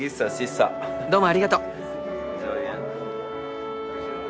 どうもありがとう。